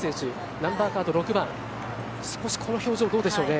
ナンバーカード６番少しこの表情、どうでしょうね。